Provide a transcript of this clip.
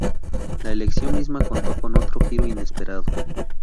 La elección misma contó con otro giro inesperado.